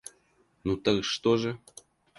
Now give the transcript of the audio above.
Ну так что же?